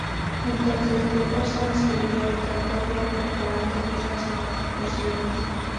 Entonces Jefferson escribió otra copia incorporando estas modificaciones.